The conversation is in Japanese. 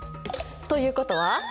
ということは？